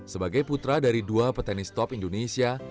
sebagai putra dari dua petenis top indonesia